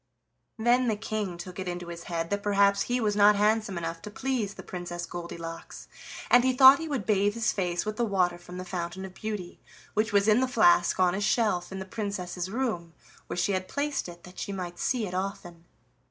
Then the King took it into his head that perhaps he was not handsome enough to please the Princess Goldilocks, and he thought he would bathe his face with the water from the Fountain of Beauty, which was in the flask on a shelf in the Princess's room, where she had placed it that she might see it often.